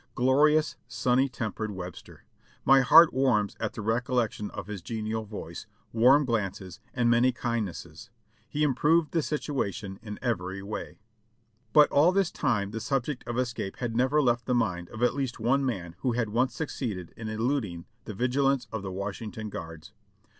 Glorious, sunny tempered Webster! my heart warms at the recollection of his genial voice, warm glances and many kindnesses ; he improved the situation in every way. But all this time the subject of escape had never left the mind of at least one man who had once succeeded in eluding the vigil ance of the Washington guards.